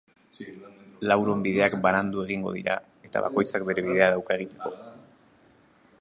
Lauron bideak banandu egingo dira eta bakoitzak bere bidea dauka egiteko.